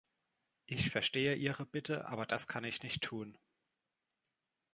Ich verstehe Ihre Bitte, aber das kann ich nicht tun.